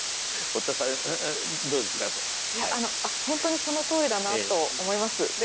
本当にそのとおりだなと思います。